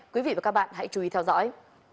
quý vị và các bạn hãy chú ý theo dõi